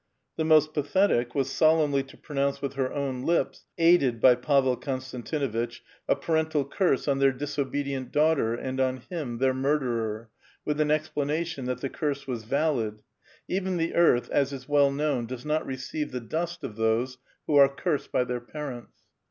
The most pathetic was solemnly to pronounce with her own lips, aided by Pavel Konstantinuitch, a parental curse on their disobedient daugh ter and on him, their murderer, with an explanation that the curse was valid, — even the earth, as is well known, does not receive the dust of those who are cursed by their parents.